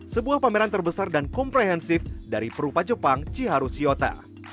sebuah pameran terbesar dan komprehensif dari perupa jepang chiharushiota